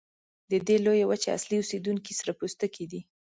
د دې لویې وچې اصلي اوسیدونکي سره پوستکي دي.